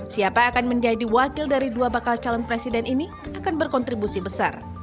siapa akan menjadi wakil dari dua bakal calon presiden ini akan berkontribusi besar